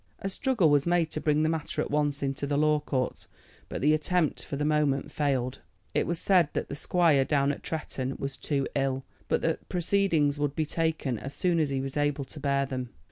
A struggle was made to bring the matter at once into the law courts, but the attempt for the moment failed. It was said that the squire down at Tretton was too ill, but that proceedings would be taken as soon as he was able to bear them.